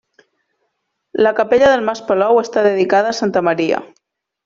La capella del Mas Palou està dedicada a santa Maria.